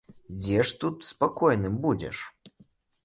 Дзе ж тут спакойным будзеш?